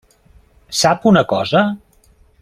Sap una cosa?